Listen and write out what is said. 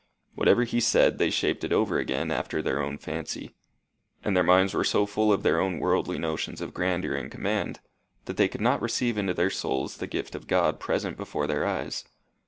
Whatever he said, they shaped it over again after their own fancy; and their minds were so full of their own worldly notions of grandeur and command, that they could not receive into their souls the gift of God present before their eyes.